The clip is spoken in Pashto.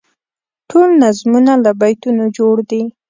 ټول نظمونه له بیتونو جوړ دي.